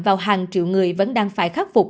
vào hàng triệu người vẫn đang phải khắc phục